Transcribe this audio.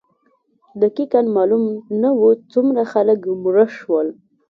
دقیقا معلوم نه وو څومره خلک مړه شول.